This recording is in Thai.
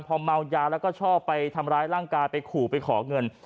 พอเมายาแล้วก็ชอบไปทำร้ายร่างกายไปขู่ไปขอเงิน